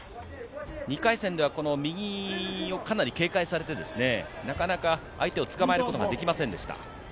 ２回戦では右をかなり警戒されてですね、なかなか相手を捕まえることができませんでした。